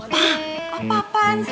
pak apa apaan sih